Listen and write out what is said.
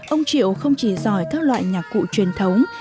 ông triệu không chỉ giỏi các loại nhạc cụ truyền thống